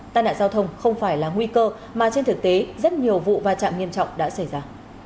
tan nạn giao thông không phải là nguy cơ mà trên thực tế rất nhiều vụ và trạm nghiêm trọng đã xảy ra